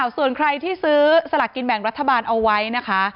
ส่วนใครที่ซื้อสลากกินแบ่งรัฐบาลเอาไว้นะคะ